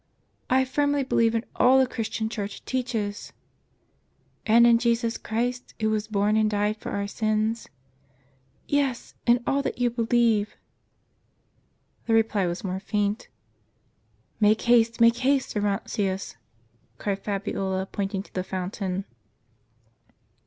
" I firmly believe in all the Christian Church teaches." "And in Jesus Christ, who was born and died for our sins?" "Yes, in all that you believe." The reply was more faint. "Make haste, make haste, Orontius," cried Fabiola, pointing to the fountain.